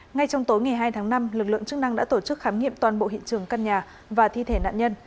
ngay trong tối ngày hai tháng năm lực lượng chức năng đã tổ chức khám nghiệm toàn bộ hiện trường căn nhà và thi thể nạn nhân